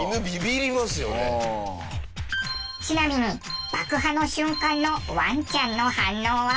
ちなみに爆破の瞬間のワンちゃんの反応は？